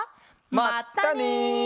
まったね！